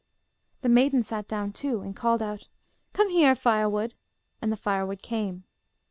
The maiden sat down too, and called out, 'Come here, firewood,' and the firewood came.